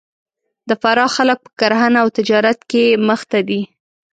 د فراه خلک په کرهنه او تجارت کې مخ ته دي